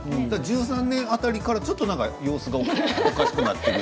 １３年辺りからちょっと様子がおかしくなって。